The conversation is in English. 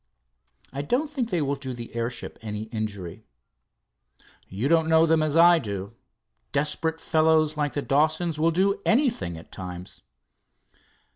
"I don't think they will do the airship any injury." "You don't know them as I do. Desperate fellows like the Dawsons will do anything at times."